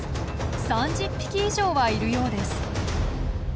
３０匹以上はいるようです。